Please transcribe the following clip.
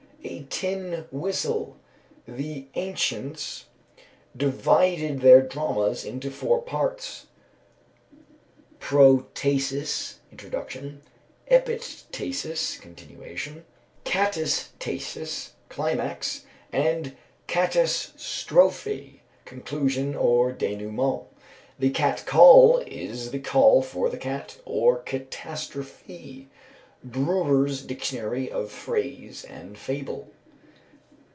_ "A tin whistle. The ancients divided their dramas into four parts: pro'tasis (introduction), epit'asis (continuation), catas'tasis (climax), and catas'trophë (conclusion or dénouement). The cat call is the call for the cat or catastrophe." BREWER'S _Dictionary of Phrase and Fable.